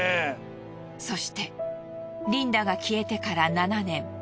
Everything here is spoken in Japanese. そしてリンダが消えてから７年。